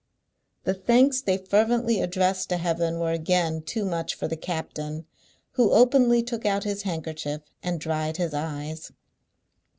The thanks they fervently addressed to Heaven were again too much for the captain, who openly took out his handkerchief and dried his eyes.